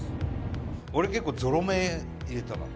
俺結構ゾロ目入れたから。